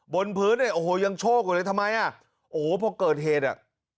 บนพื้นเนี่ยโอ้โหยังโชคอยู่เลยทำไมอ่ะโอ้โหพอเกิดเหตุอ่ะ